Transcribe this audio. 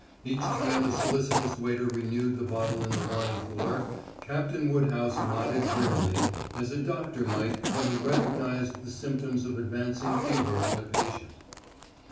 Each time the solicitous waiter renewed the bottle in the wine cooler Captain Woodhouse nodded grimly, as a doctor might when he recognized the symptoms of advancing fever in a patient.